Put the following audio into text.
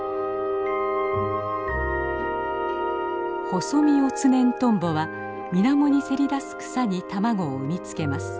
ホソミオツネントンボは水面にせり出す草に卵を産みつけます。